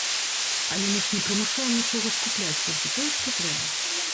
Але мы ж не прымушаем нічога скупляць, толькі тое, што трэба.